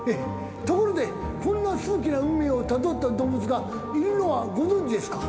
ところでこんな数奇な運命をたどった動物がいるのはご存じですか？